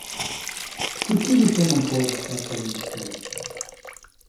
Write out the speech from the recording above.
Por que você não pode estar falando sério?